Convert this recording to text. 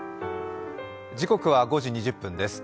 時刻は５時２０分です。